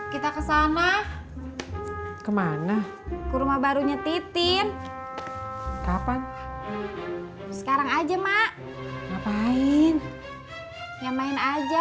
kita ke sana kemana ke rumah barunya titin kapan sekarang aja mak ngapain yang main aja